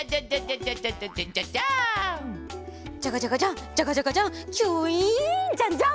ジャカジャカジャンジャカジャカジャンキュインジャンジャン！